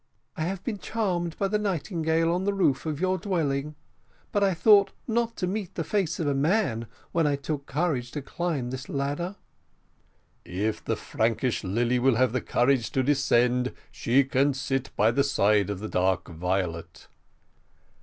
I have been charmed by the nightingale on the roof of your dwelling; but I thought not to meet the face of a man, when I took courage to climb this ladder." "If the Frankish lily will have courage to descend, she can sit by the side of the dark violet."